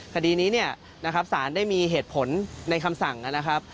คดีนี้เนี่ยนะครับสารได้มีเหตุผลในคำสั่งนะครับ